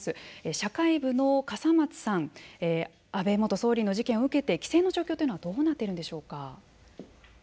社会部の笠松さん安倍元総理の事件を受けて規制の状況というのはどうなっているんでしょうか。